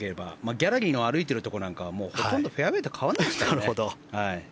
ギャラリーの歩いているところなんかはほとんどフェアウェーと変わらないですからね。